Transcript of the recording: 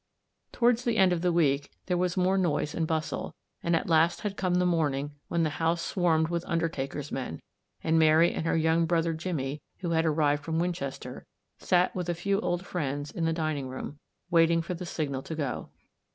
Toward the end of the week, there was 6 THE 8T0RT OF A MODERN WOMAN. more noise and bustle, and at last had come the morning when the house swarmed with undertaker's men, and Mary and her young brother Jim, who had arrived from Winches ter, sat with a few old friends in the dining room, waiting for the signal to go.